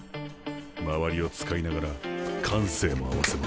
周りを使いながら感性も併せ持つ。